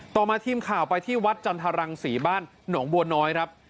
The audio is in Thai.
ต่อมาทีมข่าวไปที่วัดจันทรังศรีบ้านหนองบัวน้อยครับ